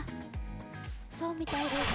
そうみたいです。